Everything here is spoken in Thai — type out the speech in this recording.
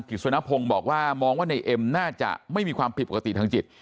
กิจสนพงศ์บอกว่ามองว่าในเอ็มน่าจะไม่มีความผิดปกติทางจิต